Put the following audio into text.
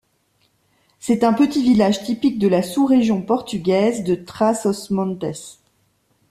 C'est un petit village typique de la sous-région portugaise de Trás-os-Montes.